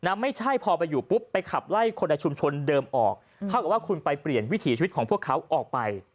ไม่ใช่พอไปอยู่ปุ๊บไปขับไล่คนในชุมชนเดิมออกเท่ากับว่าคุณไปเปลี่ยนวิถีชีวิตของพวกเขาออกไป